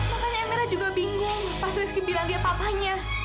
makanya amira juga bingung pas rizky bilang dia bapaknya